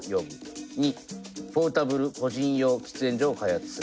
「②ポータブル個人用喫煙所を開発する」。